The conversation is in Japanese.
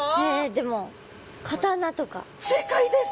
でも正解です！